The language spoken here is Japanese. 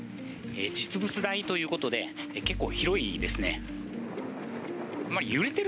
実物大ということで、結構、広いですね。